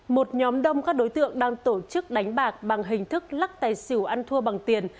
một nhóm đông các đối tượng đang tổ chức đánh bạc bằng hình thức lắc tài xỉu ăn thua bằng tiền